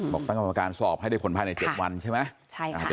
ตั้งกรรมการสอบให้ได้ผลภายใน๗วันใช่ไหม